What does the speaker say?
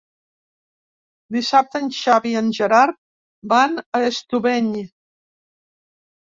Dissabte en Xavi i en Gerard van a Estubeny.